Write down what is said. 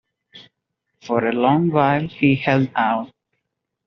For a long while he held out.